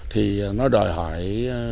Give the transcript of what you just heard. thì nó đòi hỏi